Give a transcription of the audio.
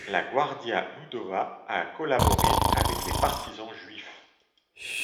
La Gwardia Ludowa a collaboré avec les partisans juifs.